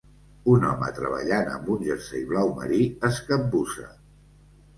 Un home treballant amb un jersei blau marí es capbussa.